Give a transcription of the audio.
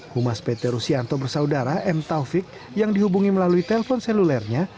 humas peterusianto bersaudara m taufik yang dihubungi melalui telepon selulernya